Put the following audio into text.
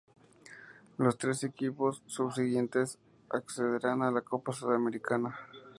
Los tres equipos subsiguientes accederán a la Copa Sudamericana.